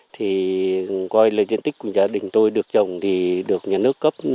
thì coi là diện tích của gia đình tôi được trồng thì được nhà nước cấp